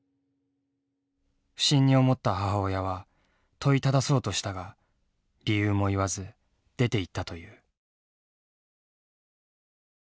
不審に思った母親は問いただそうとしたが理由も言わず出ていったという。